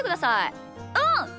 うん。